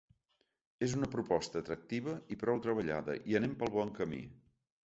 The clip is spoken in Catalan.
És una proposta atractiva i prou treballada i anem pel bon camí.